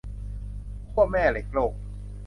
ขั้วแม่เหล็กโลก